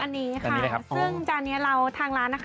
ค่ะอันนี้ซึ่งร้านเราทั้งล้าน